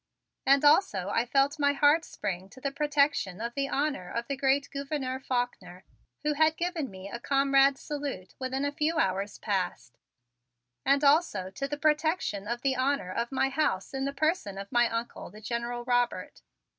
And also I felt my heart spring to the protection of the honor of great Gouverneur Faulkner, who had given me a comrade's salute within a few hours past; and also to the protection of the honor of my house in the person of my Uncle, the General Robert.